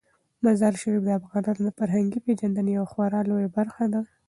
مزارشریف د افغانانو د فرهنګي پیژندنې یوه خورا لویه برخه ده.